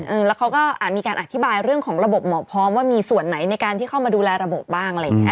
แล้วเขาก็อาจมีการอธิบายเรื่องของระบบหมอพร้อมว่ามีส่วนไหนในการที่เข้ามาดูแลระบบบ้างอะไรอย่างเงี้